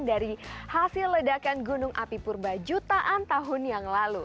dari hasil ledakan gunung api purba jutaan tahun yang lalu